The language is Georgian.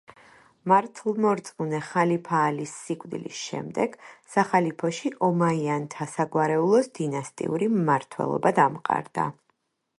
მართლმორწმუნე ხალიფა ალის სიკვდილის შემდეგ სახალიფოში ომაიანთა საგვარეულოს დინასტიური მმართველობა დამყარდა.